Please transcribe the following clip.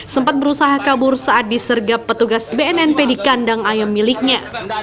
sempat berusaha kabur saat disergap petugas bnnp di kandang ayam miliknya